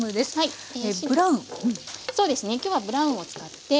そうですね今日はブラウンを使って。